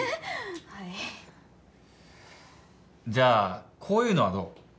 はいじゃあこういうのはどう？